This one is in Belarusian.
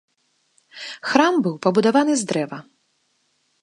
Храм быў пабудаваны з дрэва.